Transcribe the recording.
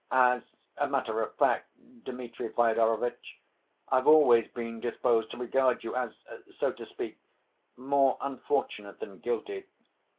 As a matter of fact, Dmitri Fyodorovitch, I've always been disposed to regard you as, so to speak, more unfortunate than guilty.